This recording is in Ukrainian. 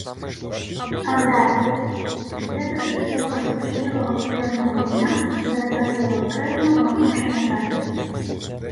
Ардарік, здибивши свого розпашілого чорного коня перед Гатилом, крикнув, махнувши на захід: